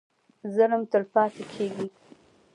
ظلم پاتی کیږي؟